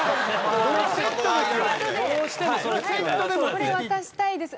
これ渡したいです。